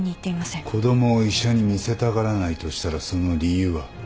子供を医者に見せたがらないとしたらその理由は？